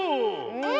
うん！